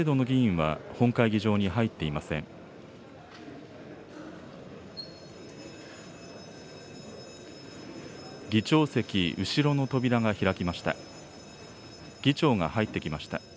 議長席後ろの扉が開きました。